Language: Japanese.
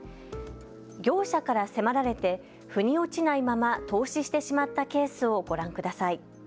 業者から迫られてふに落ちないまま投資してしまったケースをご覧ください。